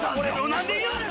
なんで言うねん！